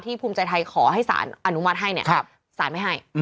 ที่ภูมิใจไทยขอให้สารอนุมัติให้สารไม่ให้